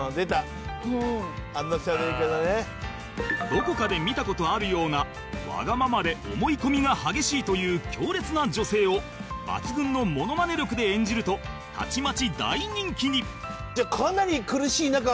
どこかで見た事あるようなわがままで思い込みが激しいという強烈な女性を抜群のモノマネ力で演じるとたちまち大人気に